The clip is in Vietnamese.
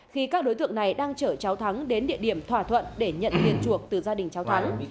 khi các đối tượng này đang chở cháu thắng đến địa điểm thỏa thuận để nhận tiền chuộc từ gia đình cháu thắng